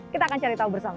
kita akan cari tahu bersama